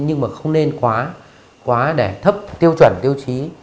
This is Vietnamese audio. nhưng mà không nên quá để thấp tiêu chuẩn tiêu chí